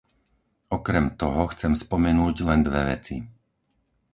Okrem toho, chcem spomenúť len dve veci.